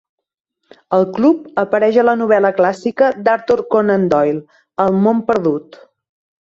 El club apareix a la novel·la clàssica d'Arthur Conan Doyle, "El món perdut".